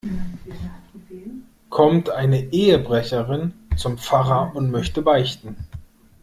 Kommt eine Ehebrecherin zum Pfarrer und möchte beichten.